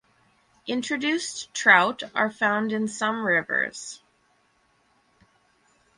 Introduced trout are found in some rivers.